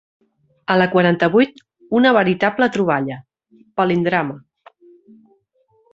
A la quaranta-vuit una veritable troballa: "Palindrama.